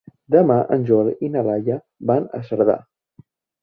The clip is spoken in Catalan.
Demà en Joel i na Laia van a Cerdà.